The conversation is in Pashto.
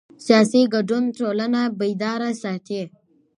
سیاسي ګډون ټولنه بیداره ساتي